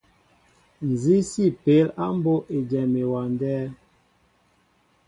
Nzi si peel á mbóʼ éjem ewándέ ?